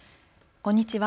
こんにちは。